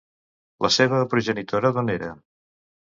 La seva progenitora, d'on era?